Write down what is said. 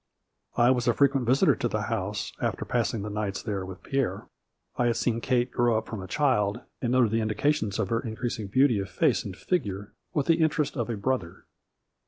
I was a frequent visitor at the house, after passing the nights there with Pierre. I had seen Kate grow up from a child, and noted the indications of her increasing beauty of face and figure with the interest of a brother.